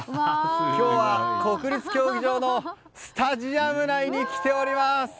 今日は国立競技場のスタジアム内に来ております。